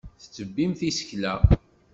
Tettebbimt isekla.